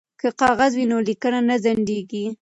که کاغذ وي نو لیکل نه ځنډیږي.